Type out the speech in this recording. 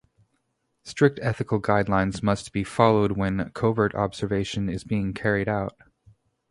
Strict ethical guidelines must be followed when covert observation is being carried out.